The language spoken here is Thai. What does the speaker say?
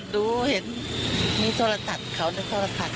ดูเห็นมีโทรศัพท์เขาในโทรศัพท์